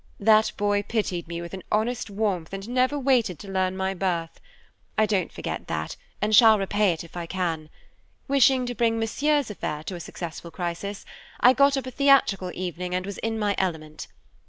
That boy pitied me with an honest warmth and never waited to learn my birth. I don't forget that and shall repay it if I can. Wishing to bring Monsieur's affair to a successful crisis, I got up a theatrical evening and was in my element.